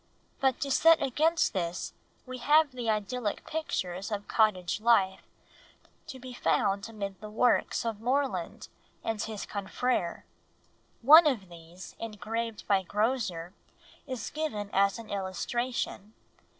But to set against this we have the idyllic pictures of cottage life to be found amid the works of Morland and his confrères. One of these, engraved by Grozer, is given as an illustration.